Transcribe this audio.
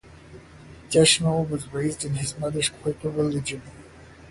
Deschanel was raised in his mother's Quaker religion.